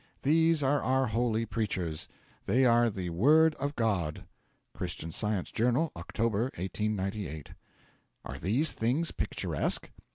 These are our only preachers. They are the word of God.' Christian Science Journal, October 1898. Are these things picturesque?